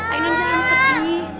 ainun jangan sedih